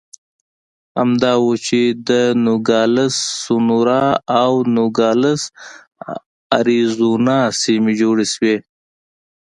همدا و چې د نوګالس سونورا او نوګالس اریزونا سیمې جوړې شوې.